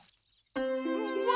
うわ！